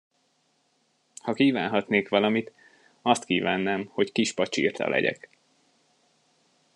Ha kívánhatnék valamit, azt kívánnám, hogy kis pacsirta legyek.